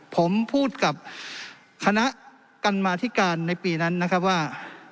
ผมพูดกับคณะกรรมาธิการในปีนั้นนะครับว่า